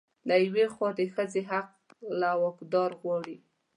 له يوې خوا د ښځې حق له واکدار غواړي